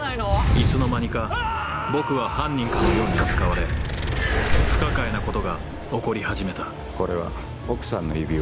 いつの間にか僕は犯人かのように扱われ不可解なことが起こり始めたこれは奥さんの指輪？